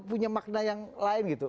punya makna yang lain gitu